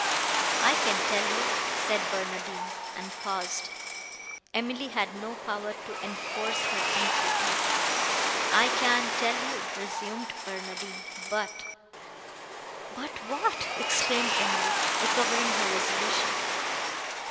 "I can tell you," said Barnardine, and paused.— Emily had no power to enforce her entreaties. "I can tell you," resumed Barnardine,—"but—" "But what?" exclaimed Emily, recovering her resolution.